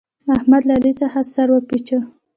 احمد له علي څخه سر وپېچه.